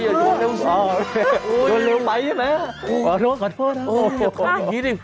อย่าโยนเร็วสิโยนเร็วไปใช่ไหมขอโทษอย่าพออย่างนี้ดิ